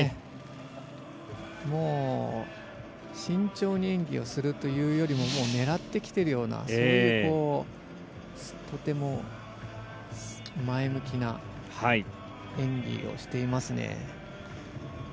もう慎重に演技をするというよりも狙ってきているようなそういうとても前向きな演技をしていますね。